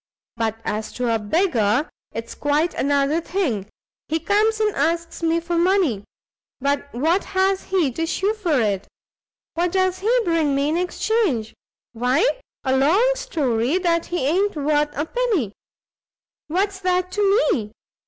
But as to a beggar, it's quite another thing; he comes and asks me for money; but what has he to shew for it? what does he bring me in exchange? why a long story that he i'n't worth a penny! what's that to me?